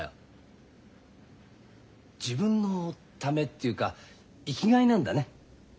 自分のためっていうか生きがいなんだね。